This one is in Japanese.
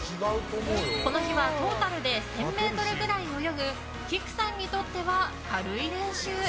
この日はトータルで１０００ｍぐらい泳ぐきくさんにとっては軽い練習。